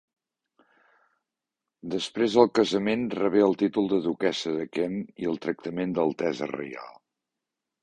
Després del casament rebé el títol de duquessa de Kent i el tractament d'altesa reial.